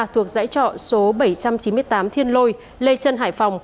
thuộc dãy trọ số bảy trăm chín mươi tám thiên lôi lê trân hải phòng